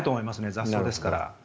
雑草ですから。